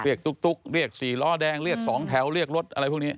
เรียกตุ๊กเรียกสี่ล่อแดงเรียกสองแถวเรียกรถอะไรพวกนี้